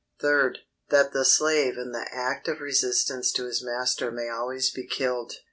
Third, That the slave in the act of resistance to his master may always be killed.